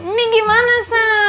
ini gimana sah